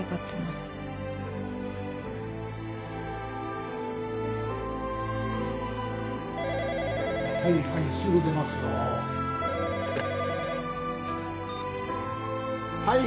はいはいすぐ出ますよはい